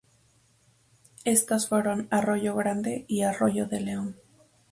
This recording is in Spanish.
Estas fueron Arroyo Grande y Arroyo de León.